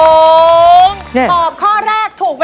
แล้ววันนี้ผมมีสิ่งหนึ่งนะครับเป็นตัวแทนกำลังใจจากผมเล็กน้อยครับ